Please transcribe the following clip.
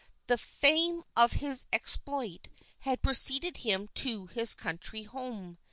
The fame of his exploit had preceded him to his country home.